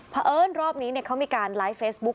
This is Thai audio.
เพราะเอิญรอบนี้เขามีการไลฟ์เฟซบุ๊ค